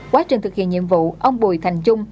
quá trình thực hiện nhiệm vụ ông bùi thành trung